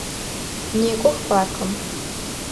Некӏох паркым!